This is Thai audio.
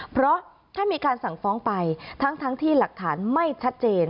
เพราะถ้ามีการสั่งฟ้องไปทั้งที่หลักฐานไม่ชัดเจน